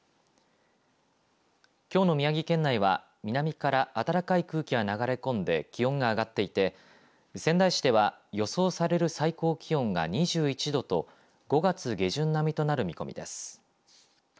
きょうの宮城県内は南から暖かい空気が流れ込んで気温が上がっていて仙台市では予想される最高気温が２１度と５月下旬並みとなる見込みです。